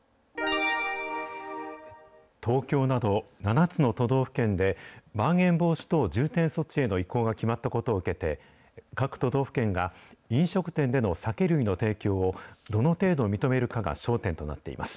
東京など７つの都道府県で、まん延防止等重点措置への移行が決まったことを受けて、各都道府県が、飲食店での酒類の提供を、どの程度認めるかが焦点となっています。